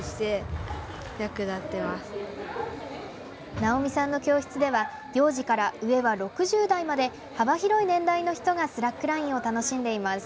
直美さんの教室では幼児から、上は６０代まで幅広い年代の人がスラックラインを楽しんでいます。